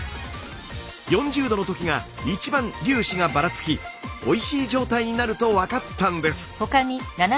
４０℃のときがいちばん粒子がばらつきおいしい状態になると分かったんです。